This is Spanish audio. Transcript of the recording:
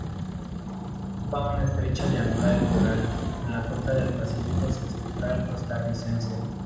Ocupa una estrecha llanura litoral, en la costa del Pacífico Central costarricense.